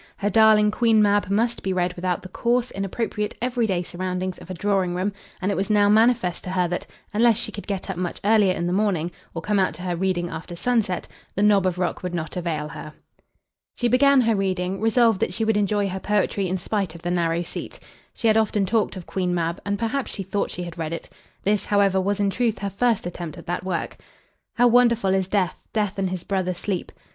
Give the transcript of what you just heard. Her darling "Queen Mab" must be read without the coarse, inappropriate, every day surroundings of a drawing room; and it was now manifest to her that, unless she could get up much earlier in the morning, or come out to her reading after sunset, the knob of rock would not avail her. She began her reading, resolved that she would enjoy her poetry in spite of the narrow seat. She had often talked of "Queen Mab," and perhaps she thought she had read it. This, however, was in truth her first attempt at that work. "How wonderful is Death! Death and his brother, Sleep!"